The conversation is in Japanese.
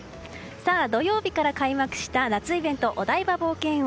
土曜日から開幕した夏イベントお台場冒険王。